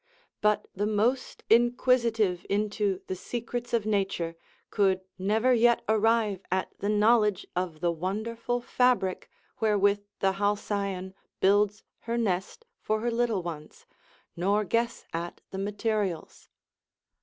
But the most inquisitive into the secrets of nature could never yet arrive at the knowledge of the wonderful fabric wherewith the halcyon builds her nest for her little ones, nor guess at the materials.